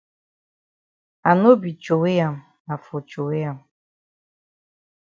I no be throwey am na for throwey am.